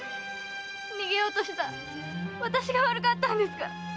逃げようとした私が悪かったんですから。